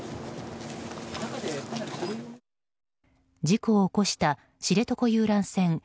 事故を起こした知床遊覧船